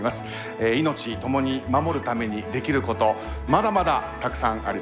「いのちともに守る」ためにできることまだまだたくさんあります。